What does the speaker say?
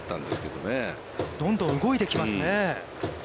どんどん動いてきますね。